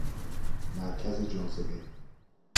مرکز جاذبه